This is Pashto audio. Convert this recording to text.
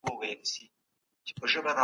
موږ په نوې طرحه باندې کار کوو.